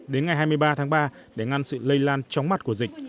đến ngày hai mươi ba tháng ba để ngăn sự lây lan chóng mặt của dịch